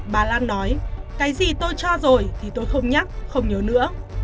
bà lan nói cái gì tôi cho rồi thì tôi không nhắc không nhớ nữa